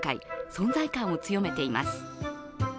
存在感を強めています。